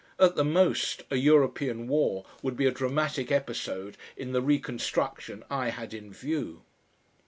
At the most, a European war would be a dramatic episode in the reconstruction I had in view.